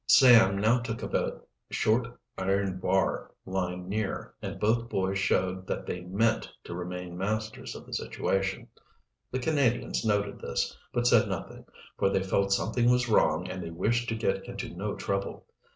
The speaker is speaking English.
Sam now took up a short iron bar lying near, and both boys showed that they meant to remain masters of the situation. The Canadians noted this, but said nothing, for they felt something was wrong and they wished to get into no trouble.